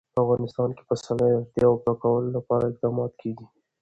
په افغانستان کې د پسرلی د اړتیاوو پوره کولو لپاره اقدامات کېږي.